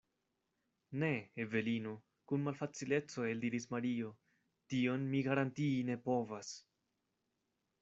Ne, Evelino, kun malfacileco eldiris Mario, tion mi garantii ne povas.